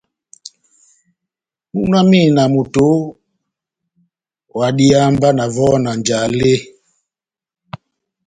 Múna wami na moto oooh, ohádiháha mba nawɔhɔ na njale !